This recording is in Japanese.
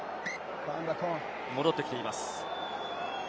戻ってきています。